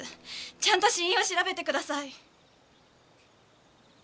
ちゃんと死因を調べてください。